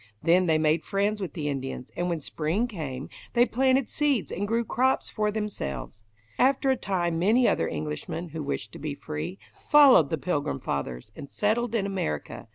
Then they made friends with the Indians, and when spring came they planted seeds and grew crops for themselves. After a time many other Englishmen, who wished to be free, followed the Pilgrim Fathers, and settled in America.